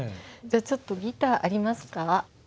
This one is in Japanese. じゃあちょっとギターありますか？